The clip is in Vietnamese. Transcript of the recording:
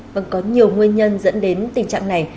vâng có nhiều nguyên nhân dẫn đến tình trạng này